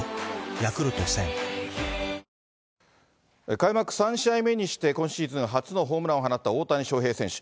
開幕３試合目にして今シーズン初のホームランを放った大谷翔平選手。